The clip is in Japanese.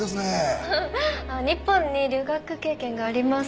日本に留学経験があります。